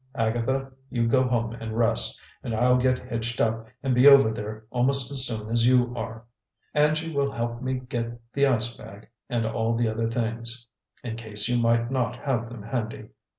Agatha, you go home and rest, and I'll get hitched up and be over there almost as soon as you are. Angie will help me get the ice bag and all the other things, in case you might not have them handy.